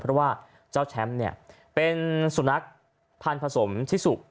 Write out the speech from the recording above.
เพราะว่าเจ้าแชมป์เนี่ยเป็นสุนัขพันธ์ผสมชิสุ